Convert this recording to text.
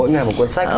mỗi ngày một cuốn sách